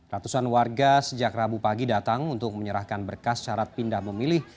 ratusan warga sejak rabu pagi datang untuk menyerahkan berkas syarat pindah memilih